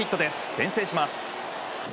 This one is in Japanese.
先制します。